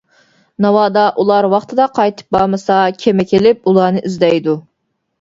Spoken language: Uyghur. ناۋادا ئۇلار ۋاقتىدا قايتىپ بارمىسا كېمە كېلىپ ئۇلارنى ئىزدەيدۇ.